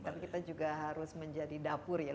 tapi kita juga harus menjadi dapur ya